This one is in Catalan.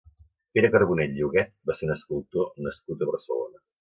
Pere Carbonell i Huguet va ser un escultor nascut a Barcelona.